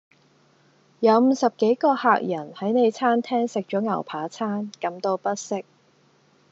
有五十幾個客人喺你餐廳食咗牛扒餐，感到不適